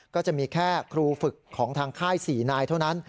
ก็จะมีแค่ครูฝึกของทางค่าย๔นายเท่านั้น